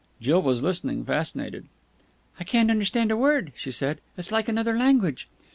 Jill was listening, fascinated. "I can't understand a word," she said. "It's like another language."